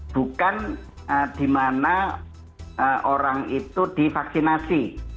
bukan di mana orang itu divaksinasi